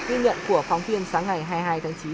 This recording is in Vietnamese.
ghi nhận của phóng viên sáng ngày hai mươi hai tháng chín